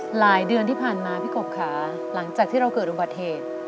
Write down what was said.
หลายเดือนที่ผ่านมาพี่กบค่ะหลังจากที่เราเกิดอุบัติเหตุ